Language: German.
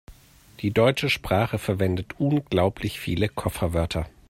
Die deutsche Sprache verwendet unglaublich viele Kofferwörter.